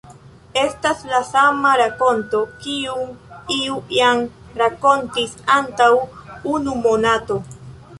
Estas la sama rakonto, kiun iu jam rakontis antaŭ unu monato!